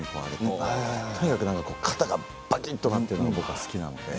とにかく肩がばきっとなっているのが好きなので。